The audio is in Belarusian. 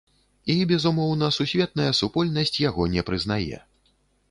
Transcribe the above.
І, безумоўна, сусветная супольнасць яго не прызнае.